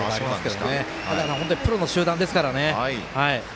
でもプロの集団ですからね。